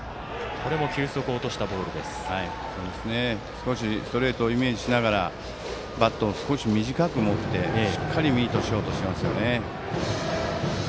少しストレートをイメージしながらバットを少し短く持ってしっかりミートしようとしてますよね。